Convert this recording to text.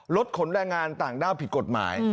รถขนแรงงานต่างด้าวผิดกฎหมาย